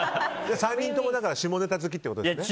３人とも下ネタ好きってことですよね。